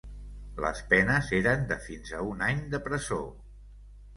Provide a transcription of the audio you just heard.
Les penes eren de fins a un any de presó.